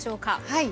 はい。